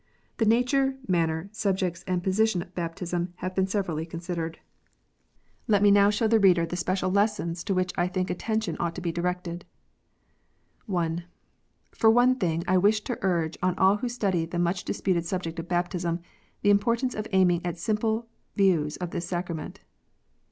The nature, manner, subjects, and position of baptism have been severally considered. BAPTISM. 107 Let me now show the reader the special lessons to which I think attention ought to be directed. (1) For one thing, I wish to urge on all who study the much disputed subject of baptism, the importance of aiming at simple views of this sacrament.